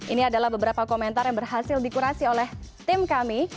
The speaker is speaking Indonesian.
ini adalah beberapa komentar yang berhasil dikurasi oleh tim kami